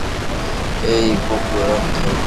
এই কুকুর অন্ধ!